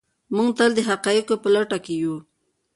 موږ تل د حقایقو په لټه کې یو.